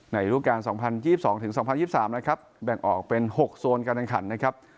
รูปการ๒๐๒๒๒๐๒๓นะครับแบ่งออกเป็น๖โซนการแข่งขันนะครับ